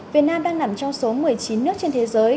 việt nam đang nằm trong số một mươi chín nước trên thế giới